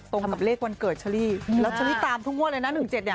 ตรงกับเลขวันเกิดเชอรี่แล้วเชอรี่ตามทุกงวดเลยนะ๑๗เนี่ย